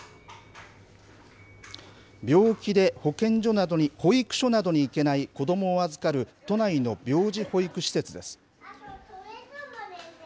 病気で保育所などに行けない子どもを預かる、都内の病児保育施設です。